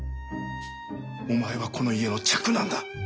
お前はこの家の嫡男だ！